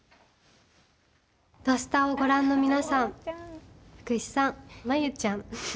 「土スタ」をご覧の皆さん福士さん、真由ちゃん